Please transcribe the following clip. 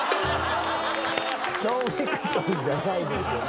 『ノンフィクション』じゃないですよね。